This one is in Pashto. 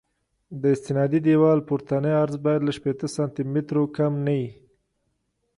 د استنادي دیوال پورتنی عرض باید له شپېته سانتي مترو کم نه وي